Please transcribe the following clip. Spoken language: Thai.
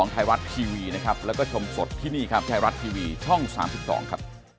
สวัสดีครับขอบคุณครับสวัสดีครับ